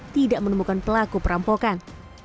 tidak menemukan pelaku perampokan